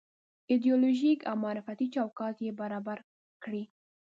ایدیالوژيک او معرفتي چوکاټ یې برابر کړی.